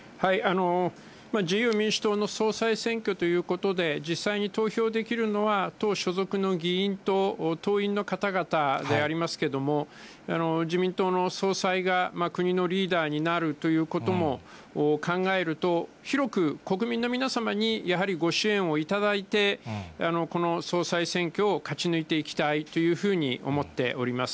自由民主党の総裁選挙ということで、実際に投票できるのは党所属の議員と党員の方々でありますけども、自民党の総裁が国のリーダーになるということも考えると、広く国民の皆様に、やはりご支援を頂いて、この総裁選挙を勝ち抜いていきたいというふうに思っております。